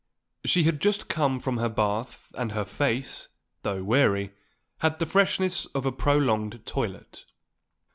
She had just come from her bath and her face, though weary, had the freshness of a prolonged toilet.